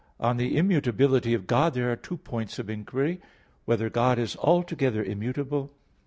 On the immutability of God there are two points of inquiry: (1) Whether God is altogether immutable?